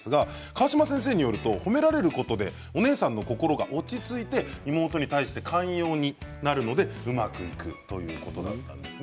川島先生によると褒められることでお姉さん心が落ち着いて妹に対して寛容になるのでうまくいくということなんです。